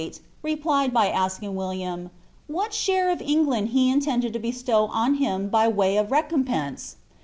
■wfli^ht, replied by asking Willumi :^ What share of England he intendKl to beslow on him by w«y of recompense